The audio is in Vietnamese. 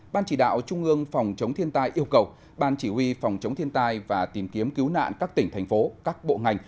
ban chỉ đạo trung ương phòng chống thiên tai yêu cầu ban chỉ huy phòng chống thiên tai và tìm kiếm cứu nạn các tỉnh thành phố các bộ ngành